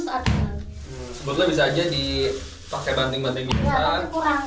sebetulnya bisa saja dipakai banting banting di tempat